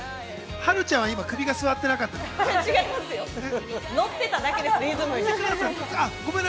はるちゃんは今、首が据わってなかったのかな？